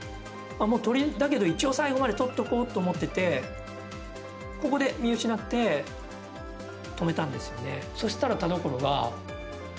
鳥だけど、一応最後まで撮っとこうと思っててここで見失って止めたんですよね。